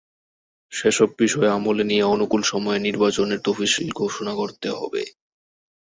সেসব বিষয় আমলে নিয়ে অনুকূল সময়ে নির্বাচনের তফসিল ঘোষণা করতে হবে।